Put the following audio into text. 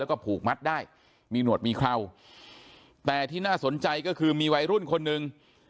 แล้วก็ผูกมัดได้มีหนวดมีเคราแต่ที่น่าสนใจก็คือมีวัยรุ่นคนหนึ่ง